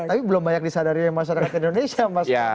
tapi belum banyak disadari yang masyarakat indonesia